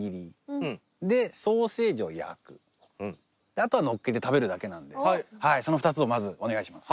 あとはのっけて食べるだけなんでその２つをまずお願いします。